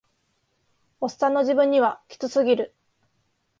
オッサンの自分にはキツすぎる